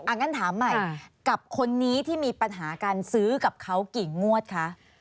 งั้นถามใหม่กับคนนี้ที่มีปัญหาการซื้อกับเขากี่งวดคะ